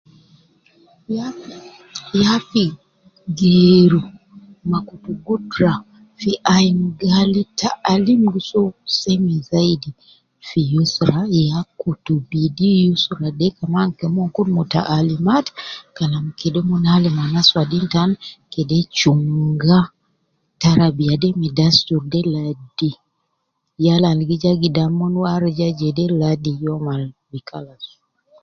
Ya ,ya fi geeru ma kutu gudra fi ain gal ta alim gi soo seme zaidi fi usra eh ya kutu bidi usra de kaman ke omon kun muta alimat kalam kede mon alim anas wadin tan kede chunga tarabiya de ma dasturi de ladi yal al gi ja gidam mon wara ja jede ladi youm al bi kalas